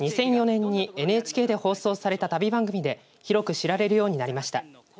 ２００４年にＮＨＫで放送された旅番組で広く知られようになりました。